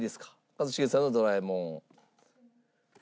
一茂さんのドラえもん。